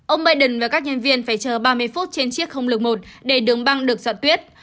ông biden và các nhân viên phải chờ ba mươi phút trên chiếc không lực một để đường băng được soạn tuyết